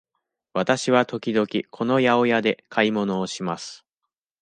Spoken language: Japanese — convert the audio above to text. わたしは時々この八百屋で買い物をします。